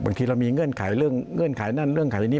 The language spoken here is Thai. บางทีเรามีเงื่อนไขเรื่องเงื่อนไขนั่นเรื่องไขนี้